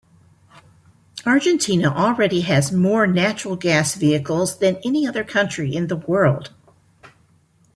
Argentina already has more natural gas vehicles than any other country in the world.